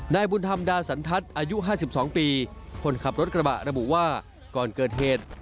นายบุญธรรมดาสันทัศน์อายุ๕๒ปีคนขับรถกระบะระบุว่าก่อนเกิดเหตุ